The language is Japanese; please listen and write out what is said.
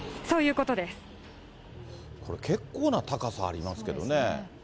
これ、結構な高さありますけどね。